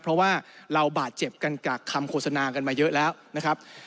เพราะว่าเราบาดเจ็บกันจากคำโฆษณากันมาเยอะแล้วนะครับ